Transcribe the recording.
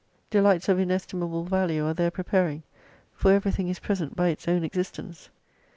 Delights of inestim able value are there preparing, for everything is present by its own existence.